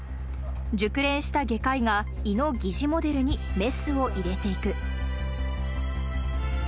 熟練した外科医が、胃の疑似モデルにメスを入れていく。